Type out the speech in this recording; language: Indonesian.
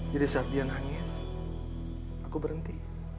jadi saat dia nangis aku berhenti